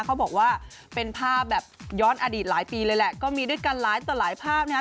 เขาบอกว่าเป็นภาพแบบย้อนอดีตหลายปีเลยแหละก็มีด้วยกันหลายต่อหลายภาพนะครับ